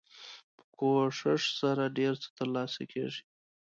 په کوښښ سره ډیر څه تر لاسه کیږي.